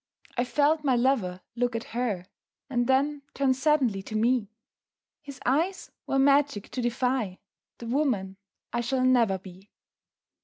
I felt my lover look at her And then turn suddenly to me His eyes were magic to defy The woman I shall never be.